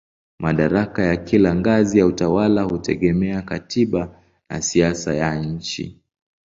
Madaraka ya kila ngazi ya utawala hutegemea katiba na siasa ya nchi.